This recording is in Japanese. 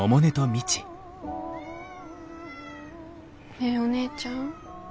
ねえお姉ちゃん。